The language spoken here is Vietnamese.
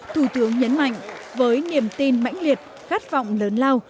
thủ tướng nhấn mạnh với niềm tin mãnh liệt khát vọng lớn lao